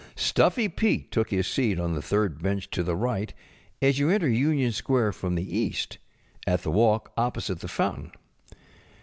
StufFy Pete took his seat on the third bench to the right as you enter Union Square from the east, at the walk opposite the fountain.